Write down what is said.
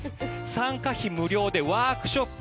参加費無料でワークショップ